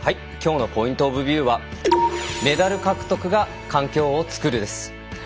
きょうのポイント・オブ・ビューは「メダル獲得が環境を作る」です。